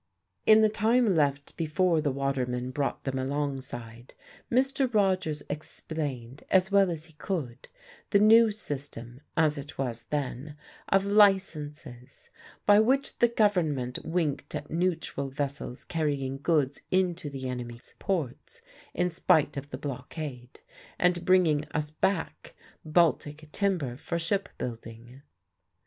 In the time left before the waterman brought them alongside, Mr. Rogers explained, as well as he could, the new system (as it was then) of licences; by which the Government winked at neutral vessels carrying goods into the enemy's ports, in spite of the blockade, and bringing us back Baltic timber for shipbuilding.